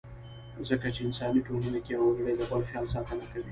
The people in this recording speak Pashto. ځکه چې انساني ټولنه کې يو وګړی د بل خیال ساتنه کوي.